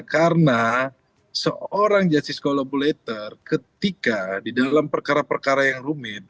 karena seorang justice collaborator ketika di dalam perkara perkara yang rumit